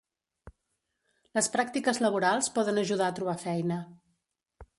Les pràctiques laborals poden ajudar a trobar feina